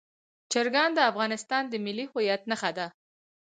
چرګان د افغانستان د ملي هویت نښه ده.